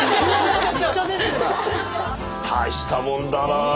大したもんだなあ。